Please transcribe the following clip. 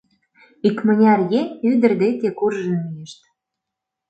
Икмыняр еҥ ӱдыр деке куржын мийышт.